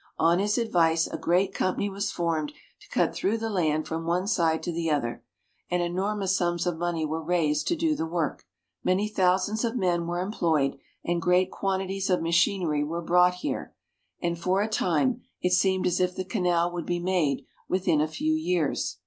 On his advice a great company was formed to cut through the land from one side to the other, and enormous sums of money were raised to do the work. Many thousands of men were employed and great quanti ties of machinery were brought here, and for a, time it seemed as if the canal would be made within a few years.